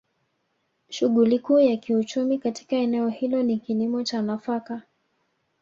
Shughuli Kuu ya kiuchumi katika eneo hilo ni kilimo cha nafaka